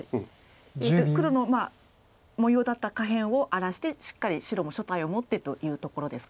黒の模様だった下辺を荒らしてしっかり白も所帯を持ってというところですか。